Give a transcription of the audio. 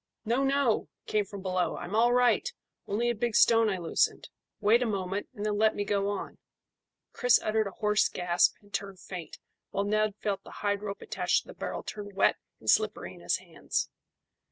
"No, no!" came from below. "I'm all right. Only a big stone I loosened. Wait a moment, and then let me go on." Chris uttered a hoarse gasp, and turned faint, while Ned felt the hide rope attached to the barrel turn wet and slippery in his hands.